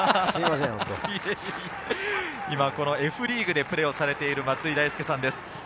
Ｆリーグでプレーをされている松井大輔さんです。